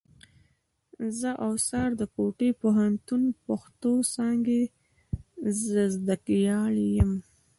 زه اوڅار د کوټي پوهنتون پښتو څانګي زدهکړيال یم.